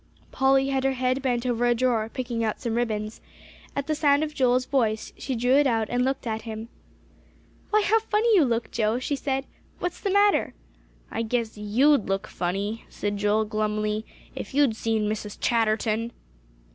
Polly had her head bent over a drawer, picking out some ribbons. At the sound of Joel's voice she drew it out and looked at him. "Why, how funny you look, Joe!" she said. "What is the matter?" "I guess you'd look funny," said Joel glumly, "if you'd seen Mrs. Chatterton."